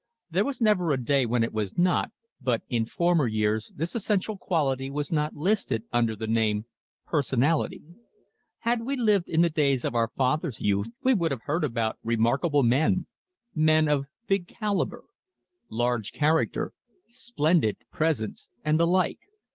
There was never a day when it was not, but in former years this essential quality was not listed under the name ... personality. Had we lived in the days of our fathers' youth we would have heard about "remarkable men," "men of big caliber," "large character," "splendid presence," and the like.